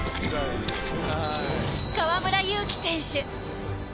河村勇輝選手。